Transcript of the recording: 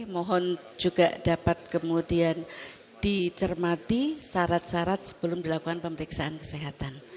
mohon juga dapat kemudian dicermati syarat syarat sebelum dilakukan pemeriksaan kesehatan